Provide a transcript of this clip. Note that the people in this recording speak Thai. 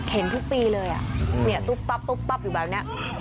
เห็นทุกปีเลยอ่ะเนี่ยตุ๊บตั๊บตุ๊บตั๊บอยู่แบบเนี้ย